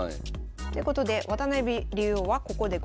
ってことで渡辺竜王はここで５分近く考え